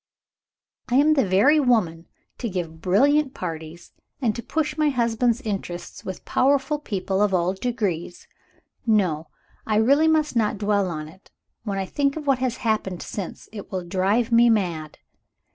I am the very woman to give brilliant parties, and to push my husband's interests with powerful people of all degrees. No; I really must not dwell on it. When I think of what has happened since, it will drive me mad.